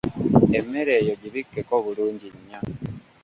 Emmere eyo gibikkeko bulungi nnyo.